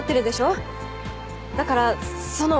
だからその応援。